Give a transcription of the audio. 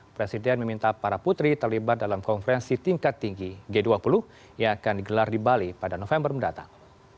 presiden meminta para putri terlibat dalam konferensi tingkat tinggi g dua puluh yang akan digelar di bali pada november mendatang